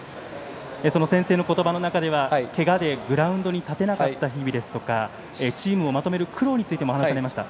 宣誓の言葉の中ではけがでグラウンドに立てなかった日々ですとかチームをまとめる苦労についてもお話されました。